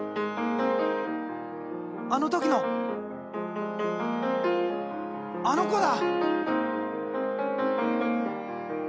あの時のあの子だ！